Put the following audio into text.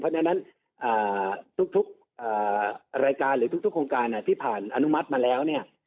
เพราะฉะนั้นทุกรายการหรือทุกโครงการที่ผ่านอนุมัติมาแล้วเนี่ย